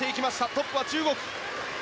トップは中国。